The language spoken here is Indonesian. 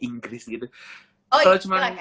inggris gitu kalau cuman